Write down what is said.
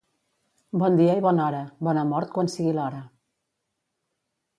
Bon dia i bona hora, bona mort quan sigui l'hora.